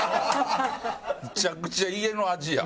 むちゃくちゃ家の味や。